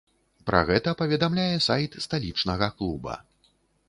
Пра гэта паведамляе сайт сталічнага клуба.